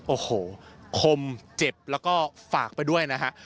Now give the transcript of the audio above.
โอ้โหคมเจ็บแล้วก็ฝากไปด้วยนะฮะ